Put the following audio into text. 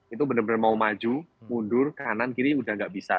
itu benar benar mau maju mundur kanan kiri udah nggak bisa